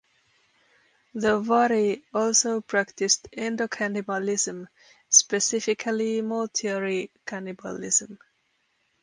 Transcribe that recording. The Wari also practiced endocannibalism, specifically mortuary cannibalism.